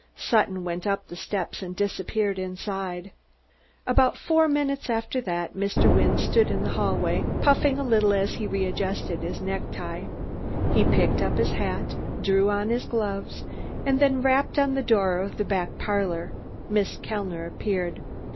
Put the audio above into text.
Sutton went up the steps and disappeared inside. And about four minutes after that Mr. Wynne stood in the hallway, puffing a little as he readjusted his necktie. He picked up his hat, drew on his gloves and then rapped on the door of the back parlor. Miss Kellner appeared.